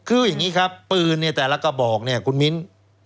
คืออย่างนี้ครับปืนแต่ละกระบอกคุณมิ้นท์